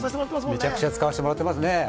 めちゃくちゃ使わせてもらっていますもんね。